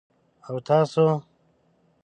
_او تاسو؟